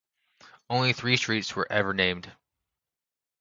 Only three streets were ever named.